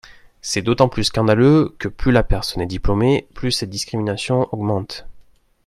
C’est d’autant plus scandaleux que plus la personne est diplômée, plus cette discrimination augmente.